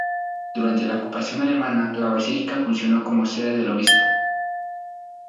Durante la ocupación alemana la Basílica funcionó como sede del obispo.